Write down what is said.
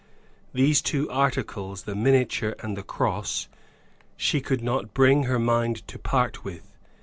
These two articles the miniature and the cross she could not bring her mind to part with.